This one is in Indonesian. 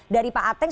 dari pak ateng